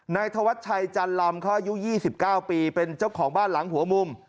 ธวัชชัยจันลำเขาอายุ๒๙ปีเป็นเจ้าของบ้านหลังหัวมุม